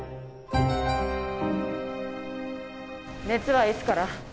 熱はいつから？